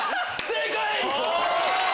正解！